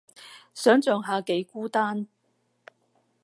想像下幾孤單